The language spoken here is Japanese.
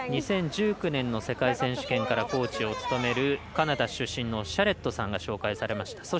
２０１９年の世界選手権からコーチを務めるカナダ出身のシャレットさんが紹介されました。